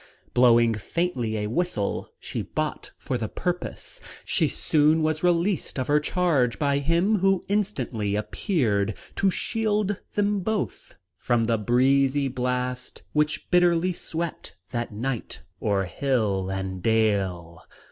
Blowing faintly a whistle she bought for the purpose, she soon was released of her charge by him who instantly appeared to shield them both from the breezy blast which bitterly swept that night o'er hill and dale.